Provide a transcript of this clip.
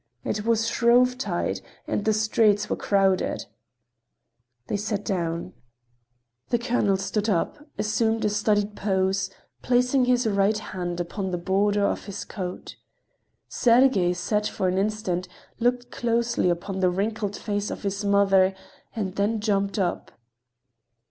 It was Shrovetide, and the streets were crowded. They sat down. Then the colonel stood up, assumed a studied pose, placing his right hand upon the border of his coat. Sergey sat for an instant, looked closely upon the wrinkled face of his mother and then jumped up.